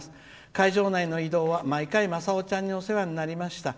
会場内の移動は毎回、まさおちゃんにお世話になりました。